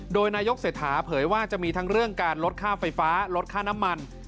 โดยนายกเศรษฐาเผยว่าจะมีทั้งเรื่องการลดค่าไฟฟ้าลดค่าน้ำมัน